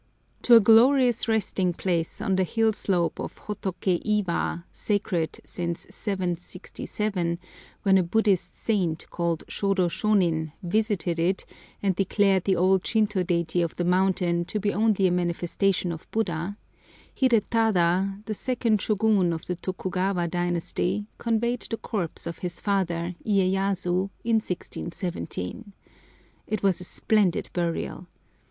To a glorious resting place on the hill slope of Hotoké Iwa, sacred since 767, when a Buddhist saint, called Shôdô Shônin, visited it, and declared the old Shintô deity of the mountain to be only a manifestation of Buddha, Hidetada, the second Shôgun of the Tokugawa dynasty, conveyed the corpse of his father, Iyéyasu, in 1617. It was a splendid burial.